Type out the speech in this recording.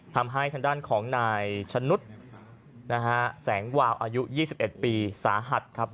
ทำให้ทางด้านของนายชะนุษย์นะฮะแสงวาวอายุ๒๑ปีสาหัสครับ